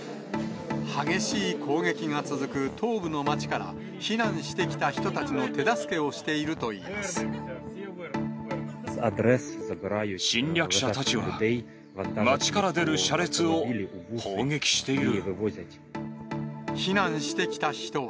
激しい攻撃が続く東部の町から避難してきた人たちの手助けをして侵略者たちは、町から出る車列を砲撃している。